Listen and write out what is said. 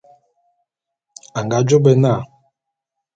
A nga jô bé na.